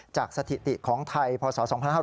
สถิติของไทยพศ๒๕๕๙